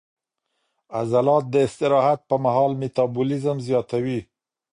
عضلات د استراحت پر مهال میټابولیزم زیاتوي.